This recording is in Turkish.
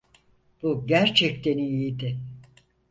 Bu gerçekten iyiydi.